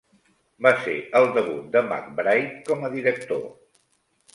Va ser el debut de McBride com a director.